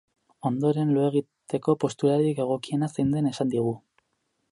Ondoren, lo egiteko posturarik egokiena zein den esan digu.